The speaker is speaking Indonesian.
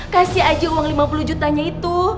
kasih aja uang lima puluh jutanya itu